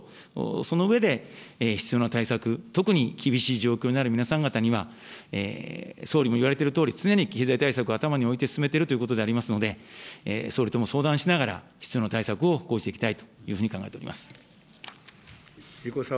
その上で必要な対策、特に厳しい状況にある皆さん方には、総理も言われているとおり、常に経済対策を頭に置いて進めているということでありますので、総理とも相談しながら、必要な対策を講じていきたいというふうに考えております。